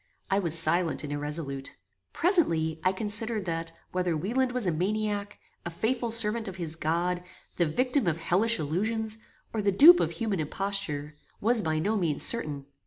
I was silent and irresolute. Presently, I considered, that whether Wieland was a maniac, a faithful servant of his God, the victim of hellish illusions, or the dupe of human imposture, was by no means certain.